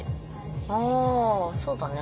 あそうだね。